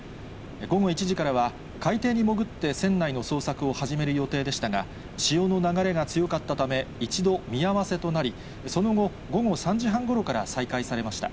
午後１時からは、海底に潜って船内の捜索を始める予定でしたが、潮の流れが強かったため、一度見合わせとなり、その後、午後３時半ごろから再開されました。